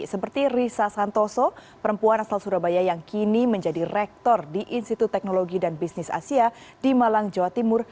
seperti risa santoso perempuan asal surabaya yang kini menjadi rektor di institut teknologi dan bisnis asia di malang jawa timur